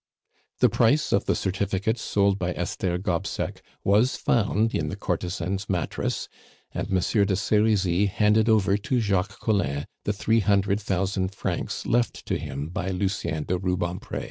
The price of the certificates sold by Esther Gobseck was found in the courtesan's mattress, and Monsieur de Serizy handed over to Jacques Collin the three hundred thousand francs left to him by Lucien de Rubempre.